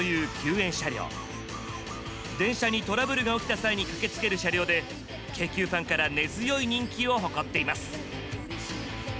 電車にトラブルが起きた際に駆けつける車両で京急ファンから根強い人気を誇っています。